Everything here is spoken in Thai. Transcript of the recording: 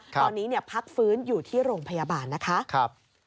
ตอนนี้พักฟื้นอยู่ที่โรงพยาบาลนะคะ